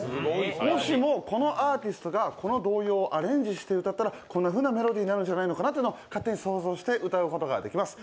もしも、このアーティストがこの童謡をアレンジして歌ったらこんなふうなメロディーになるんじゃないかなというのを勝手に想像して歌うことができます。